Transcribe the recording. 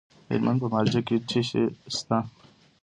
د هلمند په مارجه کې څه شی شته؟